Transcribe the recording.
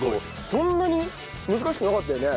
そんなに難しくなかったよね。